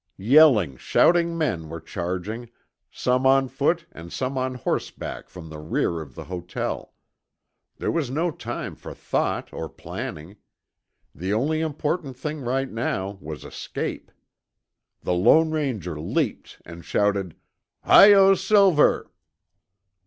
Yelling, shouting men were charging, some on foot and some on horseback from the rear of the hotel. There was no time for thought or planning. The only important thing right now was escape. The Lone Ranger leaped, and shouted, "Hi Yo Silver!"